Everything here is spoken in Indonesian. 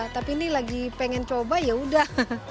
tapi ini lagi pengen coba ya udah